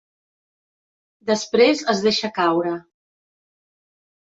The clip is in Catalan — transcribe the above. Després es deixa caure.